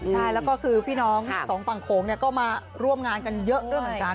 ใช่แล้วก็คือพี่น้องสองฝั่งโขงก็มาร่วมงานกันเยอะด้วยเหมือนกัน